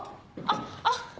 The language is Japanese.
あっ！